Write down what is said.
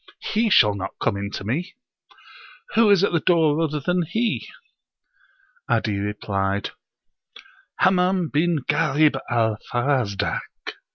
He shall not come in to me! Who is at the door other than he?" 'Adi replied, "Hammam bin Ghalib al Farazdak."